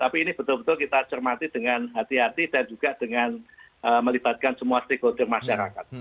tapi ini betul betul kita cermati dengan hati hati dan juga dengan melibatkan semua stakeholder masyarakat